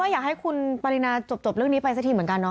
อยากให้คุณปรินาจบเรื่องนี้ไปสักทีเหมือนกันเนอ